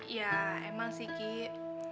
ya emang sih kik